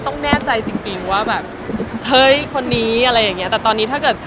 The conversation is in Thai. ต้องแน่ใจจริงว่าแบบเห้ยคนเนี้ยหลายแบบนี้แต่ตอนนี้ถ้าเกิด